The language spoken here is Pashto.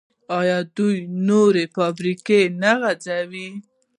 آیا دوی نوري فایبر نه غځوي؟